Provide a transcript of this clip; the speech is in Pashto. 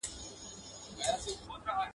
د اجل د ښکاري غشي پر وزر یمه ویشتلی ..